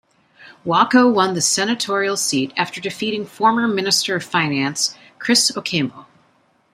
Wako won the senotorial seat after defeating former minister of finance Chris Okemo.